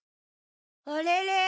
あれれ？